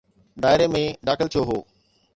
دائري ۾ داخل ٿيو هو.